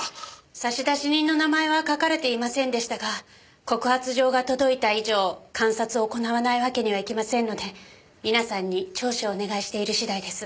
差出人の名前は書かれていませんでしたが告発状が届いた以上監察を行わないわけにはいきませんので皆さんに聴取をお願いしている次第です。